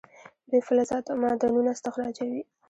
دوی فلزات او معدنونه استخراجوي.